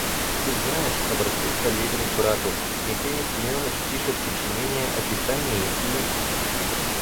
Ты знаешь, — обратился Левин к брату, — Михаил Семеныч пишет сочинение о питании и...